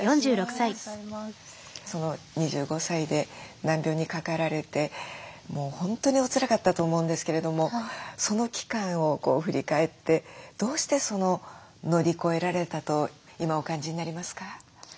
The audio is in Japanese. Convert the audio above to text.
２５歳で難病にかかられてもう本当におつらかったと思うんですけれどもその期間を振り返ってどうして乗り越えられたと今お感じになりますか？